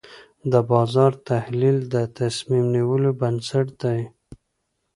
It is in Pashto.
د بازار تحلیل د تصمیم نیولو بنسټ دی.